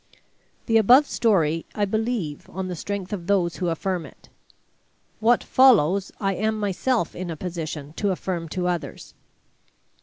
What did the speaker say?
The above story I believe on the strength of those who affirm it. What follows I am myself in a position to affirm to others.